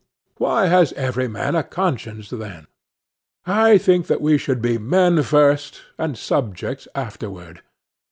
Why has every man a conscience, then? I think that we should be men first, and subjects afterward.